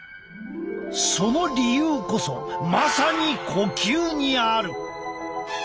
その理由こそまさに呼吸にある。